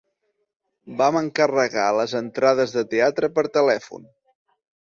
Vam encarregar les entrades de teatre per telèfon.